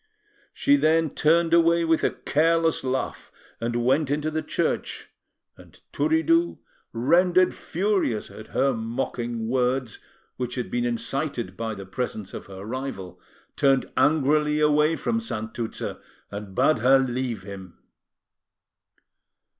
She then turned away with a careless laugh, and went into the church, and Turiddu, rendered furious at her mocking words, which had been incited by the presence of her rival, turned angrily away from Santuzza, and bade her leave him.